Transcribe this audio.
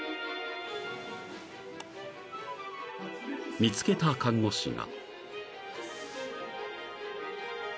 ［見つけた看護師が］